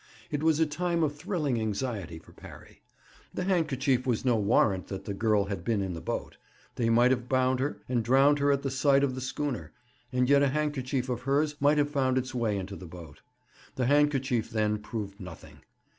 It was a time of thrilling anxiety for Parry. The handkerchief was no warrant that the girl had been in the boat. They might have bound her, and drowned her at the side of the schooner, and yet a handkerchief of hers might have found its way into the boat. The handkerchief, then, proved nothing.